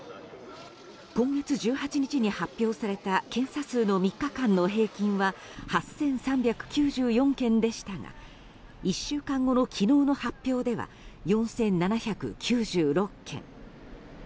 今月１８日に発表された検査数の３日間の平均は８３９４件でしたが１週間後の昨日の発表では４７９６件。